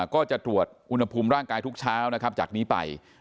ก็จะตรวจอุณหภูมิร่างกายทุกเช้านะครับจากนี้ไป